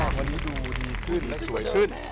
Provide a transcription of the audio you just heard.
วันนี้ดูดีขึ้นและสวยขึ้น